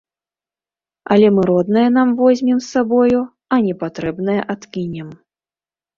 Але мы роднае нам возьмем з сабою, а непатрэбнае адкінем.